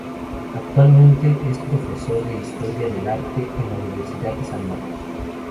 Actualmente es profesor de Historia del Arte en la Universidad de San Marcos.